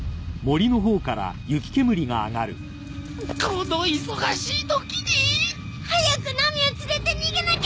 この忙しいときにィ早くナミを連れて逃げなきゃ！